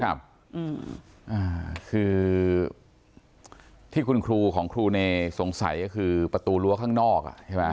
คือที่คุณครูของทูเนที่สงสัยก็คือประตูรั้วข้างนอก